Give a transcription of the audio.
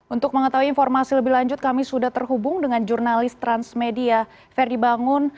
untuk mengetahui informasi lebih lanjut kami sudah terhubung dengan jurnalis transmedia verdi bangun